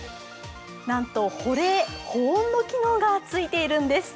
なんと、保冷・保温の機能がついているんです。